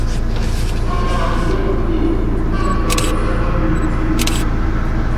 Saraapi hipquih cato cohsacómosim aha.